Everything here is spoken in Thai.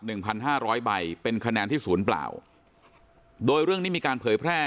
หนึ่งพันห้าร้อยใบเป็นคะแนนที่ศูนย์เปล่าโดยเรื่องนี้มีการเผยแพร่